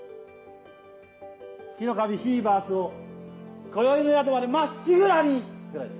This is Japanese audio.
日の神フィーバスを今宵の宿までまっしぐらに！